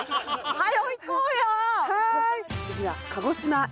はい。